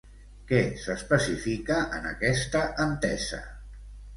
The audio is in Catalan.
Què s'especifica en aquesta entesa?